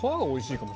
おいしい！